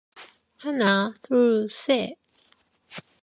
하나, 둘, 셋.